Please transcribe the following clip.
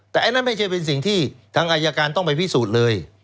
แต่อันนั้นไม่ใช่เป็นสิ่งที่ทางอายการต้องไปพิสูจน์เลย